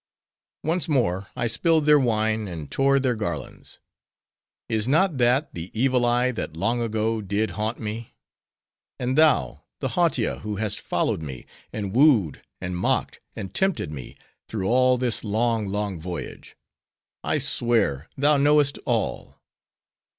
Once more I spilled their wine, and tore their garlands. Is not that, the evil eye that long ago did haunt me? and thou, the Hautia who hast followed me, and wooed, and mocked, and tempted me, through all this long, long voyage? I swear! thou knowest all."